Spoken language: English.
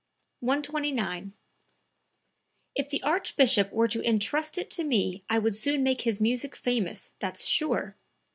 "If the Archbishop were to entrust it to me I would soon make his music famous, that's sure....